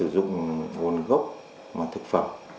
dùng nguồn gốc thực phẩm